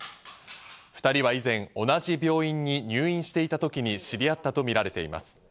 ２人は以前、同じ病院に入院していた時に知り合ったとみられています。